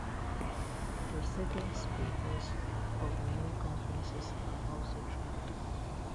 Proceedings papers of many conferences are also tracked.